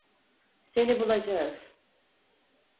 Seni bulacağız.